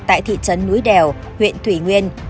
tại thị trấn núi đèo huyện thủy nguyên